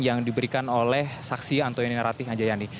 yang diberikan oleh saksi antoni ratih anjayani